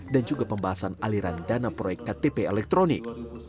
dan juga pembahasan aliran dana proyek ktp elektronik